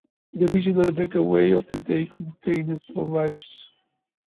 The original breakaway of the day contained four riders.